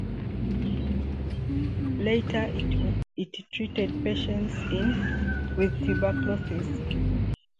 Later it treated patients with tuberculous.